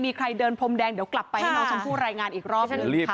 มีใครเดินพรมแดงเดี๋ยวกลับไปให้น้องชมพู่รายงานอีกรอบหนึ่ง